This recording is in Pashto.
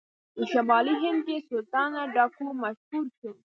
په شمالي هند کې سلطانه ډاکو مشهور شو.